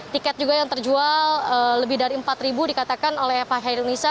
tiket juga yang terjual lebih dari empat dikatakan oleh pak hairunisa